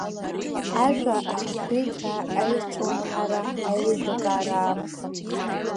Ажәа ахақәиҭра, аизҿлымҳара, аилибакаара аамҭа…